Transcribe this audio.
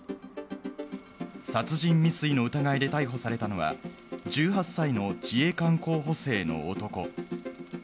殺人未遂の疑いで逮捕されたのは、１８歳の自衛官候補生の男。